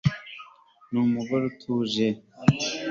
ni umugore utuje